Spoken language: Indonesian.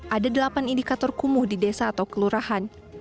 ada delapan indikator kumuh di desa atau kelurahan